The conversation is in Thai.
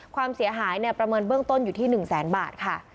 ความเสียหายประเมินเบื้องต้นอยู่ที่๑แสนบาทค่ะ